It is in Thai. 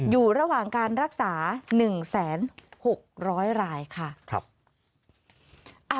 อยู่ระหว่างการรักษา๑๖๐๐รายค่ะ